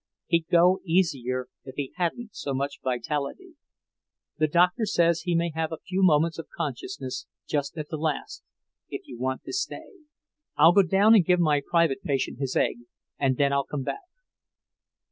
He'd go easier if he hadn't so much vitality. The Doctor says he may have a few moments of consciousness just at the last, if you want to stay." "I'll go down and give my private patient his egg, and then I'll come back."